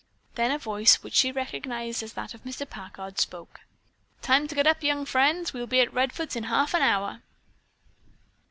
Then a voice, which she recognized as that of Mr. Packard, spoke. "Time to get up, young friends. We'll be at Redfords in half an hour."